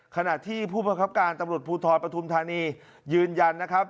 ขณะที่ผู้ประคับการตำรวจภูทรปฐุมธานียืนยันนะครับ